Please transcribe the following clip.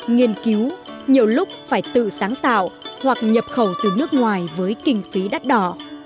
nghiên cứu nhiều lúc phải tự sáng tạo hoặc nhập khẩu từ nước ngoài với kinh phí đắt đỏ